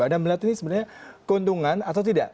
anda melihat ini sebenarnya keuntungan atau tidak